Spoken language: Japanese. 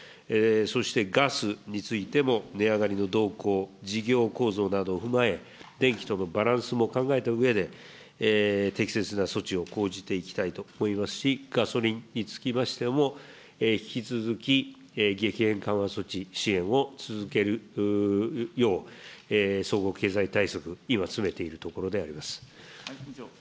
そしてガスについても、値上がりの動向、事業構造などを踏まえ、電気とのバランスも考えたうえで、適切な措置を講じていきたいと思いますし、ガソリンにつきましても、引き続き激変緩和措置を続けるよう、総合経済対策、今、詰めているところであります。